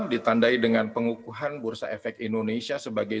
ditandai dengan pengukuhan bursa efek indonesia sebagai